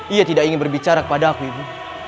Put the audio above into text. ia tidak ingin berbicara kepada aku ibu